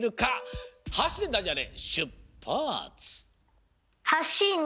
「はし」でダジャレしゅっぱつ！